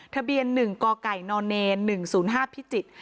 ทะเบียน๑กกน๑๐๕พิจิตร